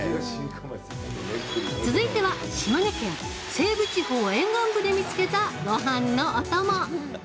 続いては島根県西部地方沿岸部で見つけた、ごはんのお供。